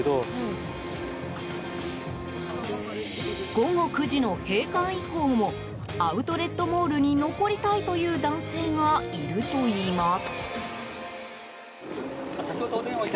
午後９時の閉館以降もアウトレットモールに残りたいという男性がいるといいます。